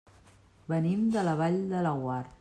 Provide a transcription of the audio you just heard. Venim de la Vall de Laguar.